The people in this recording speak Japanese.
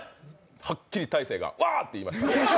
はっきり大晴が「あっ」て言いました。